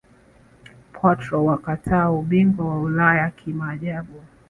Portro wakatwaa ubingwa wa Ulaya kimaajabu